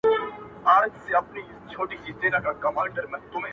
زه له ډبرې خو ته جوړه له سيتاره سوې~